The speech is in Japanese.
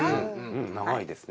うん長いですね。